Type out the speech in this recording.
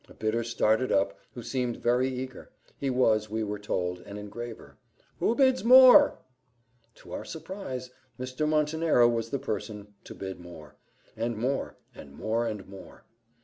A bidder started up, who seemed very eager. He was, we were told, an engraver. "Who bids more?" To our surprise, Mr. Montenero was the person to bid more and more, and more, and more.